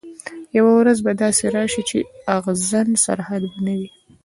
یوه ورځ به داسي راسي چي اغزن سرحد به نه وي